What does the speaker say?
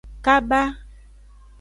Kaba.